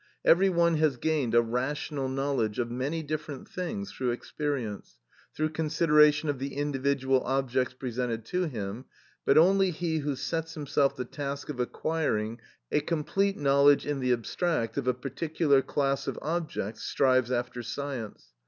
Every one has gained a rational knowledge of many different things through experience, through consideration of the individual objects presented to him, but only he who sets himself the task of acquiring a complete knowledge in the abstract of a particular class of objects, strives after science.